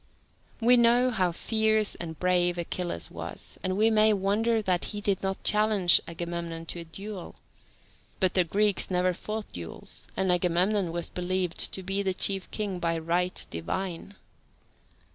We know how fierce and brave Achilles was, and we may wonder that he did not challenge Agamemnon to fight a duel. But the Greeks never fought duels, and Agamemnon was believed to be chief king by right divine.